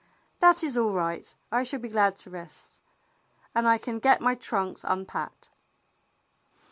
"That is all right. I shall be glad to rest, and I can get my trunks unpacked."